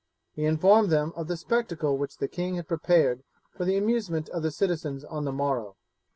He informed them of the spectacle which the king had prepared for the amusement of the citizens on the morrow.